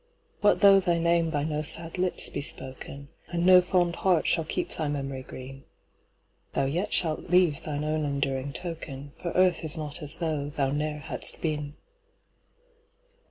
What though thy name by no sad lips be spoken, And no fond heart shall keep thy memory green? Thou yet shalt leave thine own enduring token, For earth is not as though thou ne'er hadst been.